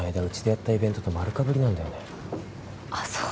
うちでやったイベントと丸かぶりなんだよねあっ